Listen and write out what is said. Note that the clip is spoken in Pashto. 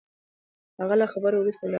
هغه له خبرو وروسته ولاړ.